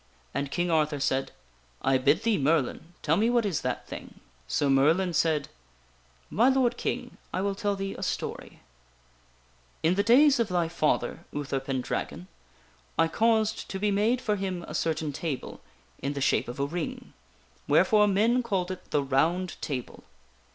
'* And King Arthur said :" I bid thee, Merlin, tell me what is that thing." So Merlin said :" My lord King, I will tell thee a story :" In the days of thy father, Uther Pendragon, I caused to be made for him a certain table in the shape of a ring, wherefore men called it the ROUND TABLE.